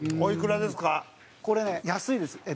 これね、安いです。